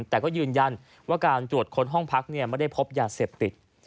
แต่ก็ยืนยันว่าการตรวจค้นห้องพักไม่ได้พบยาเสพติด